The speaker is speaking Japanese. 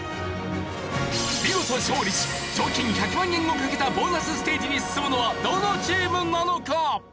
見事勝利し賞金１００万円をかけたボーナスステージに進むのはどのチームなのか！？